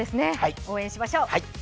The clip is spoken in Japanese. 応援しましょう。